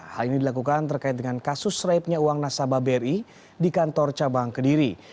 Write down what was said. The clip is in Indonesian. hal ini dilakukan terkait dengan kasus seraibnya uang nasabah bri di kantor cabang kediri